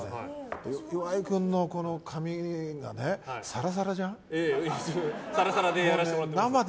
岩井君の髪が、サラサラじゃん。